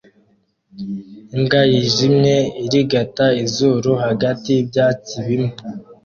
imbwa yijimye irigata izuru hagati yibyatsi bimwe